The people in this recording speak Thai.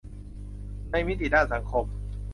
ในมิติด้านสังคม